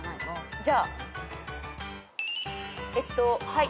じゃあえっとはい。